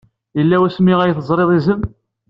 Yella wasmi ay teẓrid izem?